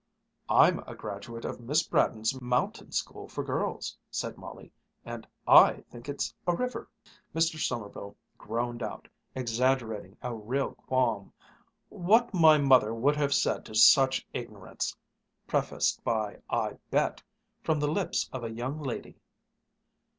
"I'm a graduate of Miss Braddon's Mountain School for Girls," said Molly, "and I think it's a river." Mr. Sommerville groaned out, exaggerating a real qualm, "What my mother would have said to such ignorance, prefaced by 'I bet!' from the lips of a young lady!"